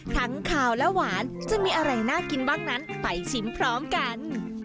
ขาวและหวานจะมีอะไรน่ากินบ้างนั้นไปชิมพร้อมกัน